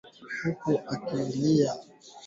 Pia tulizungumzia suala la kupotea kwa kulazimishwa